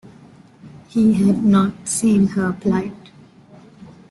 He had not seen her plight.